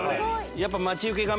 やっぱ。